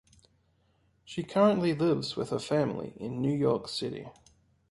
She currently lives with her family in New York City.